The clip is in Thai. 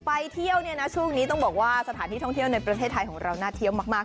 ไปเที่ยวเนี่ยนะช่วงนี้ต้องบอกว่าสถานที่ท่องเที่ยวในประเทศไทยของเราน่าเที่ยวมาก